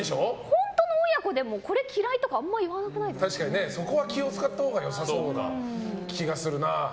本当の親子でもこれ嫌いとかそこは気を使ったほうが良さそうな気がするな。